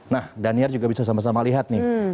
nah daniar juga bisa sama sama lihat nih